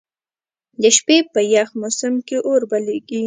د شپې په یخ موسم کې اور بليږي.